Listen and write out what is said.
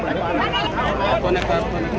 สวัสดีครับทุกคน